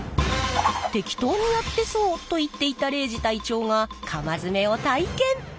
適当にやってそうと言っていた礼二隊長が釜詰めを体験！